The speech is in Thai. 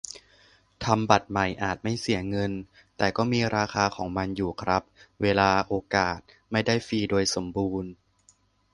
ทำบัตรใหม่อาจไม่เสียเงิน แต่ก็มีราคาของมันอยู่ครับ เวลา โอกาส ไม่ได้ฟรีโดยสมบูรณ์